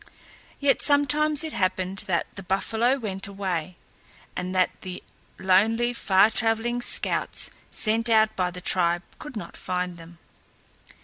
Yet sometimes it happened that the buffalo went away, and that the lonely far travelling scouts sent out by the tribe could not find them.